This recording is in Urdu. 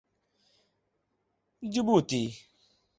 جبوتی